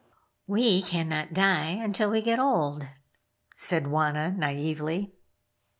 "We cannot die until we get old," said Wauna, naively.